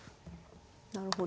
なるほど。